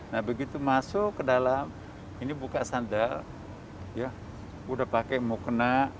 nah begitu masuk ke dalam ini buka sandal sudah pakai mukna